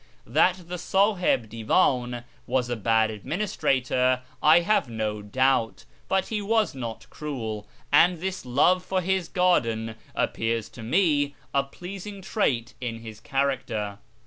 That the Sahib Di'van was a bad administrator I have no doubt, but he was not cruel, and this love for his garden appears to me a pleasing trait in his character.